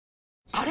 あれ？